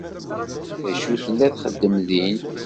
D acu tella txeddem din?